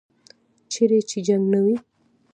چیرې چې جنګ نه وي.